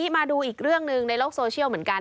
มาดูอีกเรื่องหนึ่งในโลกโซเชียลเหมือนกัน